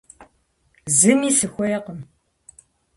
Зыми сыхуейкъым.